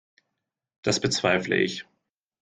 Das bezweifle ich.